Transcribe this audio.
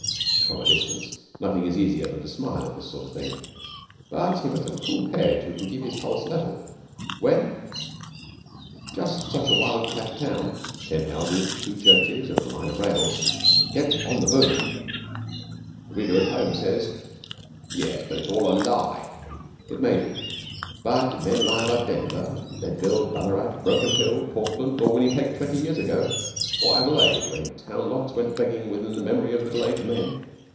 From a distance nothing is easier than to smile at this sort of thing, but he must have a cool head who can keep his pulse level when just such a wildcat town ten houses, two churches, and a line of rails gets 'on the boom,' The reader at home says, 'Yes, but it's all a lie.' It may be, but did men lie about Denver, Leadville, Ballarat, Broken Hill, Portland, or Winnipeg twenty years ago or Adelaide when town lots went begging within the memory of middle aged men?